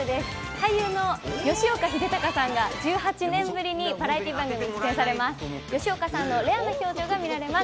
俳優の吉岡秀隆さんが１８年ぶりにバラエティー番組に出演されます。